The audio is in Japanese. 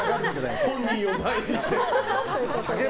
本人を前にして。